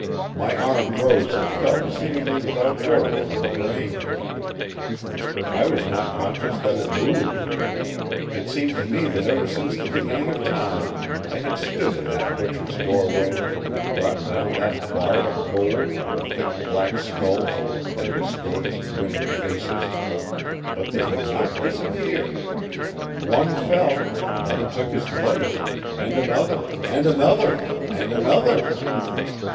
My arm rose and fell seemingly without order from the brain; I was not conscious that it moved. It seemed to me that ever since the beginning of time I had stood in that butcher's doorway and brought down that bar of gold on thick, black skulls and distorted, grinning faces. But they would not disappear. One fell; another took his place; and another, and another, and another.